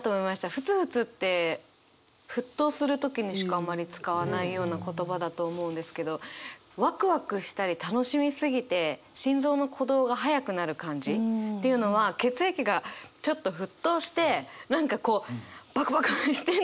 「ふつふつ」って沸騰する時にしかあんまり使わないような言葉だと思うんですけどワクワクしたり楽しみすぎて心臓の鼓動が速くなる感じっていうのはこれを見た時にちょっと思いました。